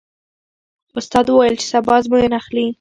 استاد وویل چې سبا ازموینه اخلي.